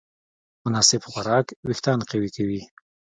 مناسب خوراک وېښتيان قوي کوي.